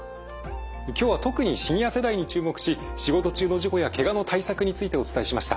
今日は特にシニア世代に注目し仕事中の事故やケガの対策についてお伝えしました。